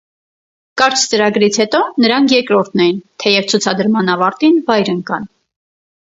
Կարճ ծրագրից հետո նրանք երկրորդն էին, թեև ցուցադրման ավարտին վայր ընկան։